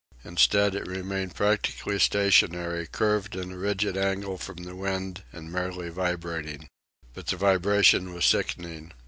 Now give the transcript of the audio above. Instead, it remained practically stationary, curved in a rigid angle from the wind and merely vibrating. But the vibration was sickening.